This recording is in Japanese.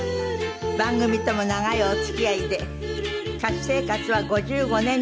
番組とも長いお付き合いで歌手生活は５５年になりました。